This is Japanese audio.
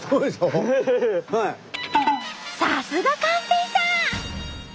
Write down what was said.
さすが寛平さん！